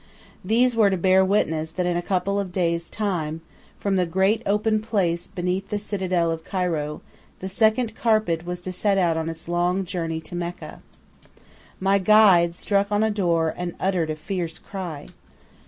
These were to bear witness that in a couple of days' time, from the great open place beneath the citadel of Cairo, the Sacred Carpet was to set out on its long journey to Mecca. My guide struck on a door and uttered a fierce cry.